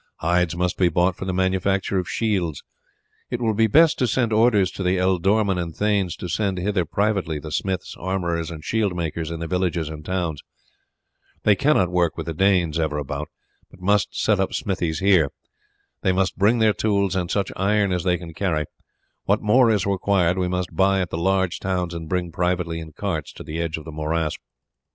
Hides must be bought for the manufacture of shields. It will be best to send orders to the ealdormen and thanes to send hither privately the smiths, armourers, and shield makers in the villages and towns. They cannot work with the Danes ever about, but must set up smithies here. They must bring their tools and such iron as they can carry; what more is required we must buy at the large towns and bring privately in carts to the edge of the morass.